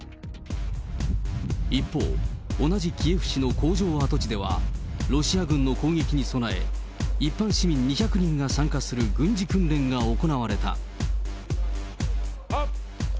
一方、同じキエフ市の工場跡地では、ロシア軍の攻撃に備え、一般市民２００人が参加する軍事訓練が行われた。